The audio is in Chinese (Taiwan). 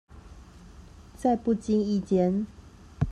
在不經意間